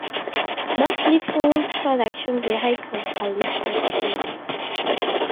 Mostly full-production vehicles are listed here.